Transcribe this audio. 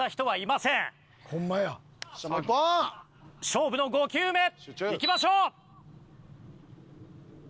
勝負の５球目いきましょう！